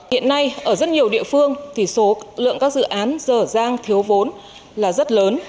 hiện nay ở rất nhiều địa phương thì số lượng các dự án dở dang thiếu vốn là rất lớn